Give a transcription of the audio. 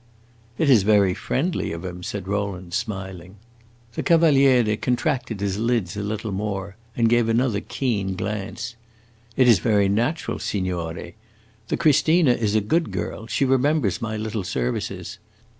"It is very friendly of him," said Rowland, smiling. The Cavaliere contracted his lids a little more and gave another keen glance. "It is very natural, signore. The Christina is a good girl; she remembers my little services.